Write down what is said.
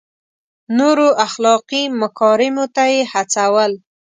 نورو اخلاقي مکارمو ته یې هڅول.